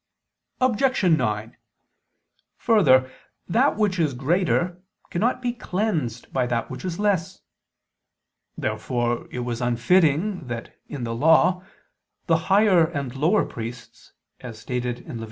Objection 9: Further, that which is greater cannot be cleansed by that which is less. Therefore it was unfitting that, in the Law, the higher and lower priests, as stated in Lev.